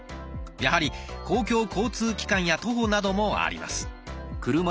やはり公共交通機関や徒歩などもあります。